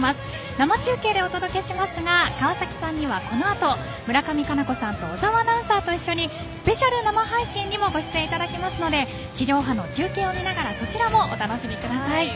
生中継でお届けしますが川崎さんにはこのあと村上佳菜子さんと小澤アナウンサーと一緒にスペシャル生配信にもご出演いただきますので地上波の中継を見ながらそちらもお楽しみください。